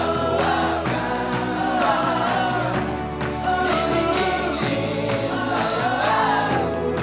bila aku menjadi kamu